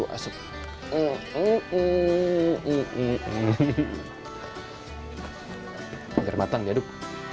agar matang diaduk